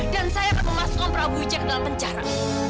dan saya akan memasukkan prabu wijaya ke dalam penjara